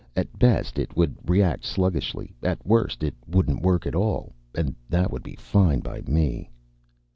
At best, it would react sluggishly. At worst, it wouldn't work at all. And that would be fine by me."